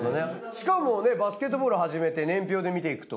しかもバスケットボール始めて年表で見ていくと。